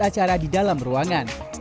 acara di dalam ruangan